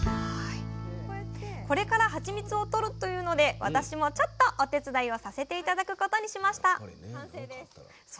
これからハチミツをとるというので私もちょっとお手伝いをさせて頂くことにしました！